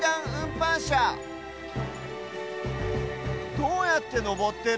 どうやってのぼってる？